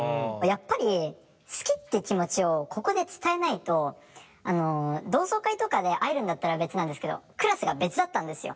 やっぱり好きって気持ちをここで伝えないと同窓会とかで会えるんだったら別なんですけどクラスが別だったんですよ